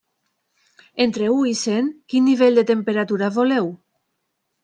Entre u i cent, quin nivell de temperatura voleu?